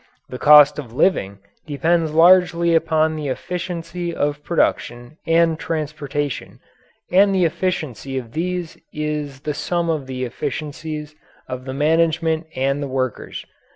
The cost of living depends largely upon the efficiency of production and transportation; and the efficiency of these is the sum of the efficiencies of the management and the workers.